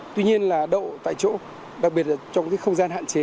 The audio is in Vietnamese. tuy nhiên là đậu tại chỗ đặc biệt là trong cái không gian hạn chế